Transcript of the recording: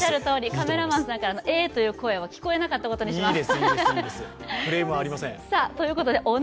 カメラさんからの「えー」という声は聞こえなかったことにします。